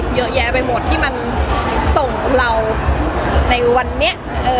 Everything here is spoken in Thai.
เยอะแยะไปหมดที่มันส่งเราในวันนี้